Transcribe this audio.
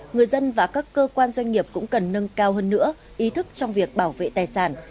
người dân và các cơ quan doanh nghiệp cũng cần nâng cao hơn nữa ý thức trong việc bảo vệ tài sản